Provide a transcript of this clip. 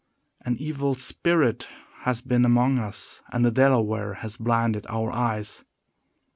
"An evil spirit has been among us, and the Delaware has blinded our eyes."